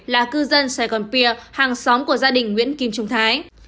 là cư dân saigon pier hàng xóm của gia đình nguyễn kim trung thái